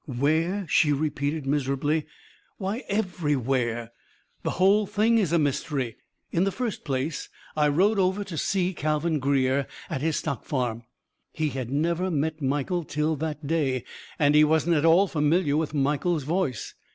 "Where?" she repeated miserably. "Why, everywhere! The whole thing is a mystery. In the first place, I rode over to see Calvin Greer, at his stock farm. He had never met Michael till that day, and he wasn't at all familiar with Michael's voice.